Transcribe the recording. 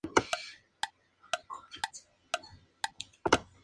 La inflorescencia es lateral, simple.